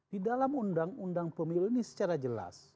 di dalam undang undang pemilu ini secara jelas